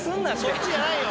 そっちじゃないよ